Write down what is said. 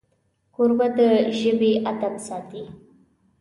کوربه د ژبې ادب ساتي.